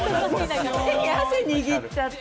手に汗握っちゃって。